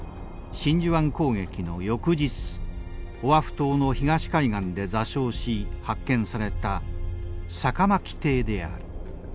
真珠湾攻撃の翌日オアフ島の東海岸で座礁し発見された酒巻艇である。